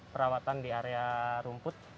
perawatan di area rumput